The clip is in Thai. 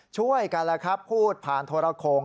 ช่วยกันแล้วครับพูดผ่านโทรโครง